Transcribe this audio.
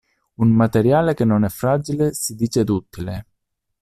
Un materiale che non è fragile si dice duttile.